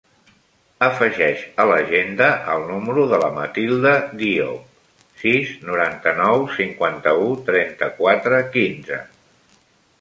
Afegeix a l'agenda el número de la Matilda Diop: sis, noranta-nou, cinquanta-u, trenta-quatre, quinze.